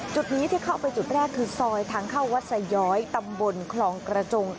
จุดที่เข้าไปคือสอยทางเข้าวัดสยอยตำบลคลองกระจง